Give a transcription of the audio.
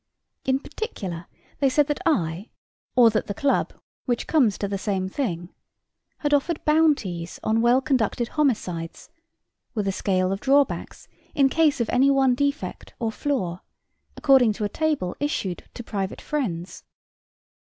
In particular, they said that I, or that the club, which comes to the same thing, had offered bounties on well conducted homicides with a scale of drawbacks, in case of any one defect or flaw, according to a table issued to private friends.